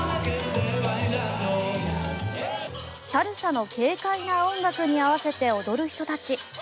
サルサの軽快な音楽に合わせて踊る人たち。